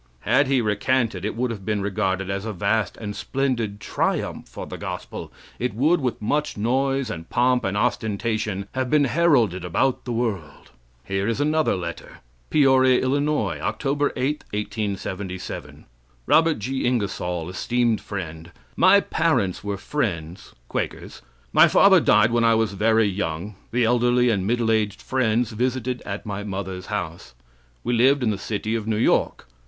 Had he recanted, it would have been regarded as a vast and splendid triumph for the gospel. It would, with much noise and pomp and ostentation, have been heralded about the world. Here is another letter: "Peoria, Ill., Oct. 8, 1877. Robert G. Ingersoll Esteemed Friend: My parents were Friends (Quakers). My father died when I was very young. The elderly and middle aged Friends visited at my mother's house. We lived in the City of New York.